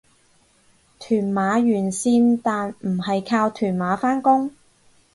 屯馬沿線但唔係靠屯馬返工